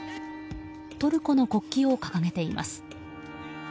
トルコの国旗を掲げています。